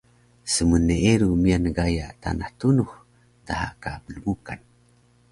smneeru miyan gaya Tanah Tunux daha ka Plmukan